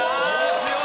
強い！